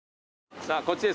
さぁこっちです。